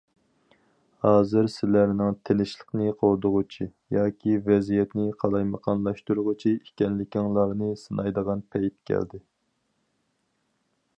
ھازىر، سىلەرنىڭ تىنچلىقنى قوغدىغۇچى ياكى ۋەزىيەتنى قالايمىقانلاشتۇرغۇچى ئىكەنلىكىڭلارنى سىنايدىغان پەيت كەلدى.